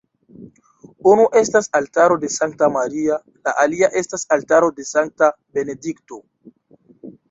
Unu estas altaro de Sankta Maria, la alia estas altaro de Sankta Benedikto.